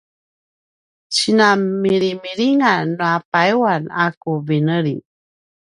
sinanmilimilingan nua payuan a ku veneli